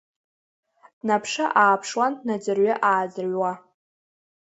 Днаԥшы-ааԥшуан, днаӡырҩы-ааӡырҩуа.